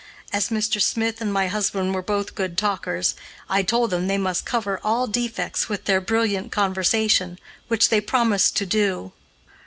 As Mr. Smith and my husband were both good talkers, I told them they must cover all defects with their brilliant conversation, which they promised to do.